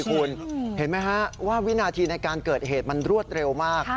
คุณเห็นไหมฮะว่าวินาทีในการเกิดเหตุมันรวดเร็วมาก